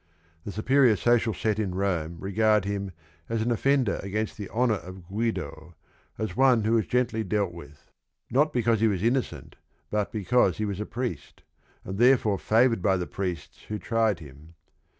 The superior social set in Rome regard him as an offender against the "honor" of Guido as one who was gently dealt with, not because he was innocent, but because he was a priest, and therefore favored by the priests who tried him.